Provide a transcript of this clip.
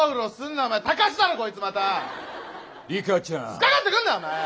突っかかってくんなお前！